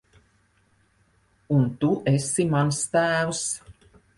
Un tu esi mans tēvs.